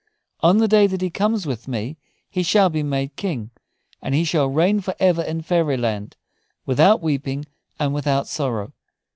On the day that he comes with me he shall be made King, and he shall reign for ever in Fairyland, without weeping and without sorrow.